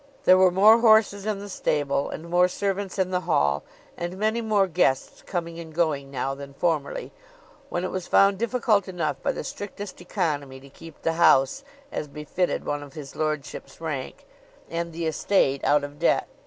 There were more horses in the stable and more servants in the hall, and many more guests coming and going now than formerly, when it was found difficult enough by the strictest economy to keep the house as befitted one of his lordship's rank, and the estate out of debt.